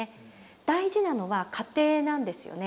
大事なのは過程なんですよね。